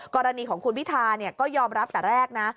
กรณีของคุณพิธาเนี่ยก็ยอมรับตั้งแต่แรกนะ